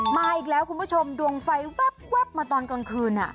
มาอีกแล้วคุณผู้ชมดวงไฟแว๊บมาตอนกลางคืน